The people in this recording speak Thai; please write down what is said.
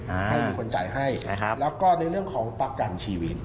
ให้มีคนจ่ายให้ครับแล้วก็ในเรื่องของประกันชีวิต